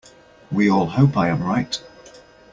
We all hope I am right.